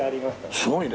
すごいね。